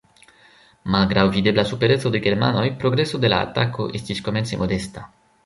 Malgraŭ videbla supereco de germanoj progreso de la atako estis komence modesta.